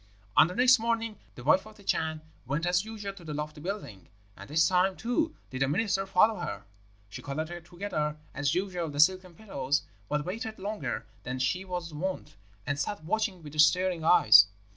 "On the next morning the wife of the Chan went as usual to the lofty building, and this time, too, did the minister follow her. She collected together, as usual, the silken pillows, but waited longer than she was wont, and sat watching with staring eyes.